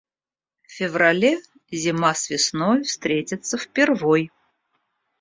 В феврале зима с весной встретятся впервой.